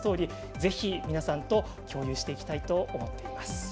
ぜひ皆さんと共有していきたいと思っています。